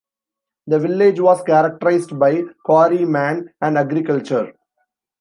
The village was characterized by quarryman and agriculture.